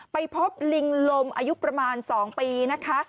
ไปพบลิงลมอายุประมาณ๒ปีนะคะ